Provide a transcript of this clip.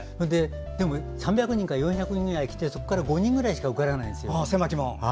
３００人から４００人ぐらい来てそこから５人ぐらいしか受からないんですよ。